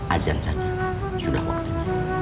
ajan saja sudah waktunya